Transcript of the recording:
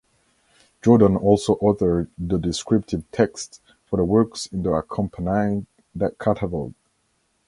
Jordan also authored the descriptive texts for the works in the accompanying catalog.